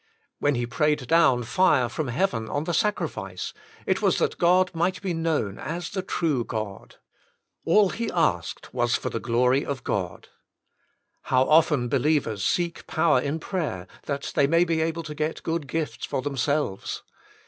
When he prayed down fire from heaven on the sacrifice, it was that God might be known as the true God. All he asked was for the glory of God. How often believers seek power in prayer, that they may be able to get good gifts for themselves.